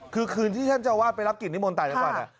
คือคืนที่ท่านเจ้าว่าไปรับกินนิมนต์ตายก่อน